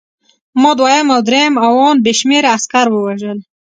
ما دویم او درېیم او ان بې شمېره عسکر ووژل